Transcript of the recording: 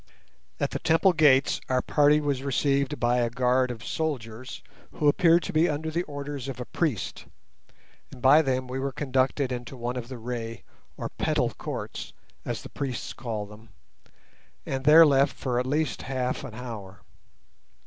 At the temple gates our party was received by a guard of soldiers, who appeared to be under the orders of a priest; and by them we were conducted into one of the ray or "petal" courts, as the priests call them, and there left for at least half an hour.